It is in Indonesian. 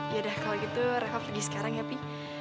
yaudah kalo gitu reva pergi sekarang ya pi